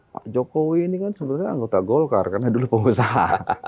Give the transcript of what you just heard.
pak jokowi ini kan sebenarnya anggota golkar karena dulu pengusaha